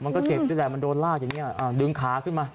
มันก็เจ็บนี่แหละมันโดนลากอย่างนี้ดึงขาขึ้นมา